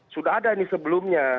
sudah ada ini sebelumnya